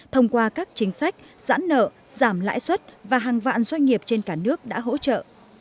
thông qua các chính sách giãn nợ giảm lãi suất và hàng vạn doanh nghiệp trên cả nước đã hỗ trợ